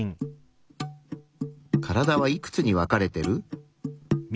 カラダはいくつに分かれてる？